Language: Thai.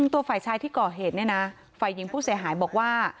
ตัวฝ่ายชายที่ก่อเหตุเนี่ยนะฝ่ายหญิงผู้เสียหายบอกว่า